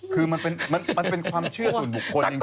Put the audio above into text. คือมันเป็นความเชื่อส่วนบุคคลจริง